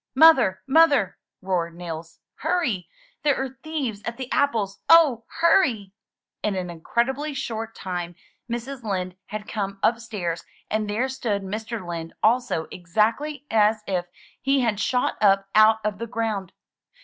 ''Mother, Mother!" roared Nils. "Hurry! There are thieves at the apples ! Oh, hurry !'' In an incredibly short time Mrs. Lind had come upstairs, and there stood Mr. Lind also, exactly as if he had shot up out of the ground.